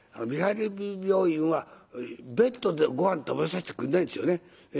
リハビリ病院はベッドでごはん食べさせてくれないんですよね。